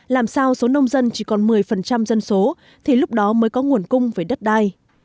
làm sao số nông dân chỉ còn một mươi dân số thì lúc đó mới có nguồn cung về đất đai